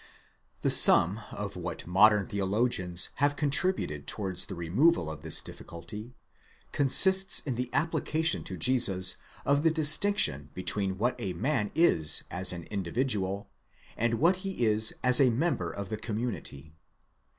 ® The sum of what modern theologians have contributed towards the re moval of this difficulty, consists in the application to Jesus of the distinction between what a man is as an individual, and what he is as a member of the community.